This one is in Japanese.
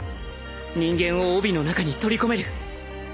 人間を帯の中に取り込める